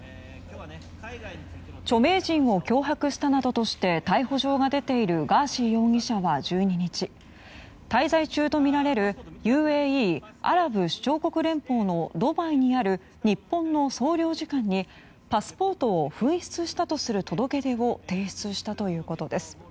著名人を脅迫したなどとして逮捕状が出ているガーシー容疑者は１２日、滞在中とみられるＵＡＥ・アラブ首長国連邦のドバイにある日本の総領事館にパスポートを紛失したという届け出を提出したということです。